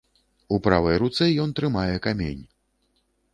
У правай руцэ ён трымае камень.